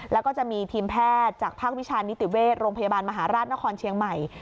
แล้วก็จะมีทีมแพทย์จากภาควิชานิติเวชโรงพยาบาลมหาราชนครเชียงใหม่